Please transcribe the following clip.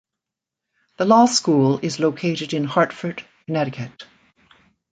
The law school is located in Hartford, Connecticut.